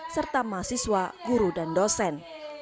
serta mahasiswa guru dan dosen